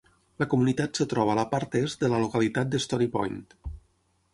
La comunitat es troba a la part est de la localitat de Stony Point.